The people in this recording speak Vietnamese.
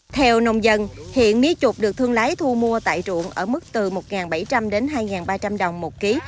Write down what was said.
theo nông dân hiện mía trục được thương lái thu mua tại ruộng ở mức từ một bảy trăm linh đến hai ba trăm linh đồng một ký